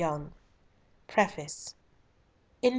Yonge PREFACE. In p.